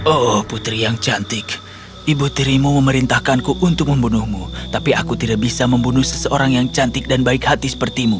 oh putri yang cantik ibu tirimu memerintahkanku untuk membunuhmu tapi aku tidak bisa membunuh seseorang yang cantik dan baik hati sepertimu